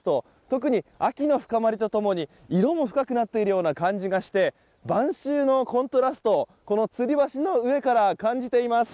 特に秋の深まりと共に色も深くなっているような感じがして、晩秋のコントラストつり橋の上から感じています。